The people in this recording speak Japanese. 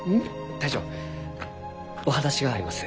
大将お話があります。